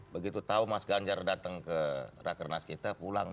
begitu tahu mas ganjar datang ke rakernas kita pulang